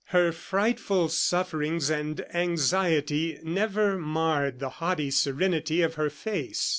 Her frightful sufferings and anxiety never marred the haughty serenity of her face.